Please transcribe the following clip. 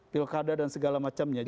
pilkada dan segala macamnya